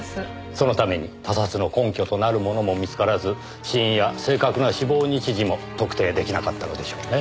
そのために他殺の根拠となるものも見つからず死因や正確な死亡日時も特定出来なかったのでしょうね。